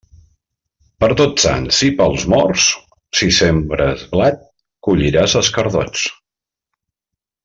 Per Tots Sants i pels Morts, si sembres blat, colliràs escardots.